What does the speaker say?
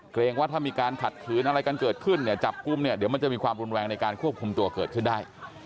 ว่าถ้ามีการขัดขืนอะไรกันเกิดขึ้นเนี่ยจับกลุ่มเนี่ยเดี๋ยวมันจะมีความรุนแรงในการควบคุมตัวเกิดขึ้นได้